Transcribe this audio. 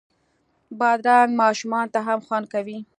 بادرنګ ماشومانو ته هم خوند کوي.